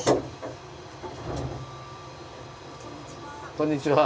こんにちは。